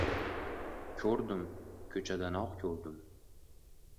— Ko‘rdim, ko‘chadanoq ko‘rdim.